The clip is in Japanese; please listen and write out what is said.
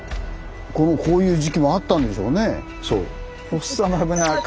このこういう時期もあったんでしょうね。